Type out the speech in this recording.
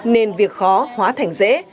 nên việc khó hóa thành dễ